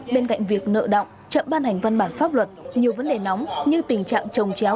bên cạnh việc nợ động chậm ban hành văn bản pháp luật nhiều vấn đề nóng như tình trạng trồng chéo